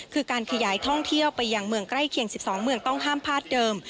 คือการขยายท่องเที่ยวไปยังเมืองใกล้เคียง๑๒เมืองต้องห้ามพลาดเดิม